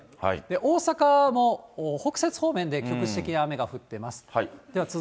大阪もほくせつ方面で局地的に雨が降っています。